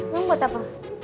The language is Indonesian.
lu buat apa